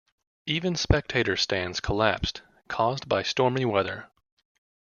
Even spectator stands collapsed, caused by stormy weather.